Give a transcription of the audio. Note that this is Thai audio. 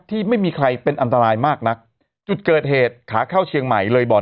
ที่ไม่มีใครเป็นอันตรายมากนักจุดเกิดเหตุขาเข้าเชียงใหม่เลยบ่อน